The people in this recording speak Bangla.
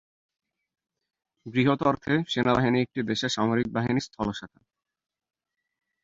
বৃহৎ অর্থে সেনাবাহিনী একটি দেশের সামরিক বাহিনীর স্থল শাখা।